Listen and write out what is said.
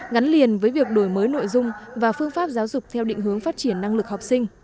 ngắn liền với việc đổi mới nội dung và phương pháp giáo dục theo định hướng phát triển năng lực học sinh